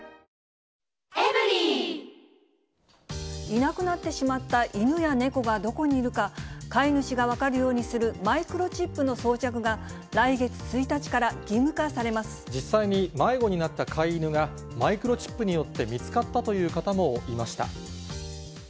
いなくなってしまった犬や猫がどこにいるか、飼い主が分かるようにするマイクロチップの装着が来月１日から義実際に迷子になった飼い犬が、マイクロチップによって見つかったという方もいました。